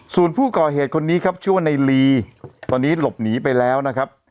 ส่วนผู้ก่อเหตุคนนี้ครับชื่อว่าในลีตอนนี้หลบหนีไปแล้วนะครับ